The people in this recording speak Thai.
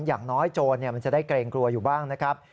อย่างน้อยโจรมันจะได้เกรงกลัวอยู่บ้างนะครับ